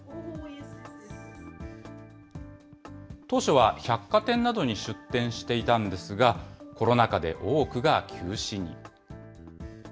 当初は百貨店などに出店していたんですが、コロナ禍で多くが休止に。